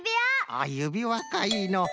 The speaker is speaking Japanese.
あゆびわかいいのう。